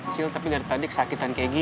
luka kecil tapi dari tadi kesakitan kayak gitu